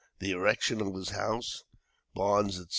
The erection of his house, barns, etc.